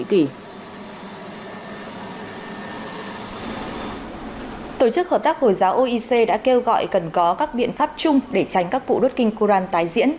tổ chức hợp tác hồi giáo oec đã kêu gọi cần có các biện pháp chung để tránh các vụ đốt kinh koran tái diễn